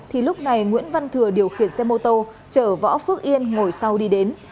thì lúc này nguyễn văn thừa điều khiển xe mô tô chở võ phước yên ngồi sau đi đến